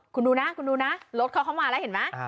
คุณดูนะคุณดูนะรถเขาเข้ามาแล้วเห็นไหม